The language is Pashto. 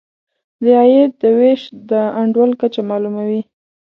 د عاید د وېش د انډول کچه معلوموي.